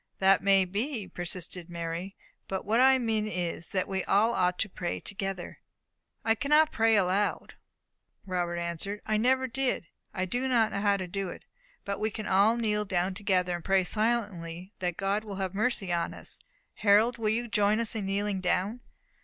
"That may be," persisted Mary, "but what I mean is, that we all ought to pray together." "I cannot pray aloud," Robert answered; "I never did it. I do not know how to do it. But we can all kneel down together, and pray silently that God will have mercy on us. Harold, will you join us in kneeling down?"